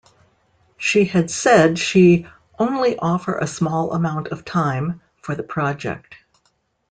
She has said she "only offer a small amount of time" for the project.